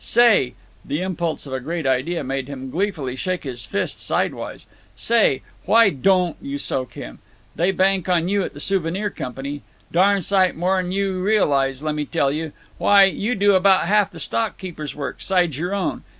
Say!" The impulse of a great idea made him gleefully shake his fist sidewise. "Say! Why don't you soak him? They bank on you at the Souvenir Company. Darn' sight more than you realize, lemme tell you. Why, you do about half the stock keeper's work, sides your own.